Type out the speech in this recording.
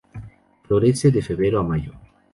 Florece de Febrero a Mayo.